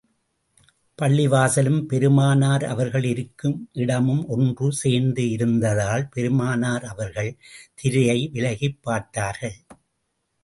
பள்ளிவாசலும், பெருமானார் அவர்கள் இருக்கும் இடமும் ஒன்று சேர்ந்து இருந்ததால், பெருமானார் அவர்கள், திரையை விலகிப் பார்த்தார்கள்.